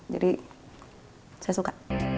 jadi saya suka